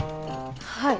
はい。